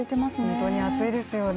本当に暑いですよね。